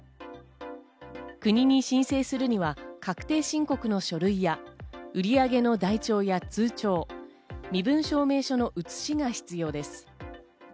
国に申請するには確定申告の書類や売上の台帳や通帳、身分証明書の写しが必要です。